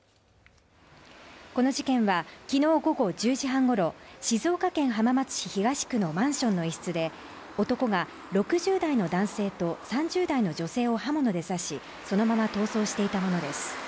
この事件は昨日午後１０時半ごろ、静岡県浜松市東区のマンションの一室で男が６０代の男性と３０代の女性を刃物で刺しそのまま逃走していたものです。